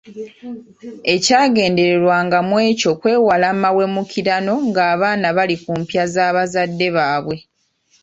Ekyagendererwanga mu ekyo kwewala mawemukirano ng’abaana bali ku mpya za bakadde baabwe.